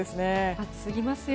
暑すぎますよ。